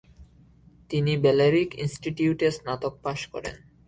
তিনি ব্যালেরিক ইনস্টিটিউটে স্নাতক পাস করেন।